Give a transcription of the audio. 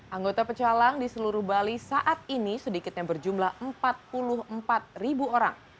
anggota pecalang di seluruh bali saat ini sedikitnya berjumlah empat puluh empat ribu orang